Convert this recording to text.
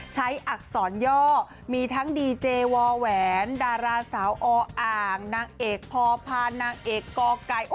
อักษรย่อมีทั้งดีเจวอแหวนดาราสาวออ่างนางเอกพอพานางเอกกไก่